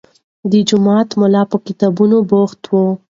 د جومات ملا په کتابونو بوخت و.